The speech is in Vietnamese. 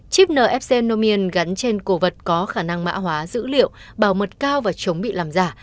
chip nfc nomien gắn trên cổ vật có khả năng mã hóa dữ liệu bảo mật cao và chống bị làm giả